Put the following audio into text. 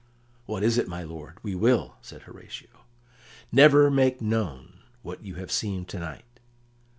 "What is it, my lord? We will," said Horatio. "Never make known what you have seen to night."